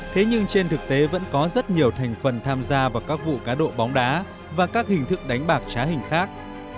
thế nhưng trên thực tế vẫn có rất nhiều thành phần tham gia vào các vụ cá độ bóng đá và các hình thức đánh bạc trá hình khác